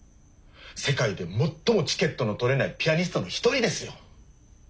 世界で最もチケットの取れないピアニストの一人ですよ。